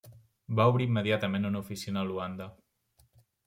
Va obrir immediatament una oficina a Luanda.